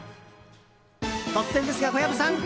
突然ですが、小籔さん。